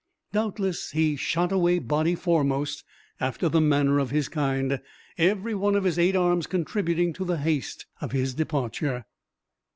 Doubtless he shot away body foremost, after the manner of his kind, every one of his eight arms contributing to the haste of his departure.